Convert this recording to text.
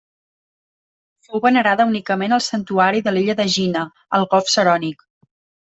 Fou venerada únicament al santuari de l'illa d'Egina, al Golf Sarònic.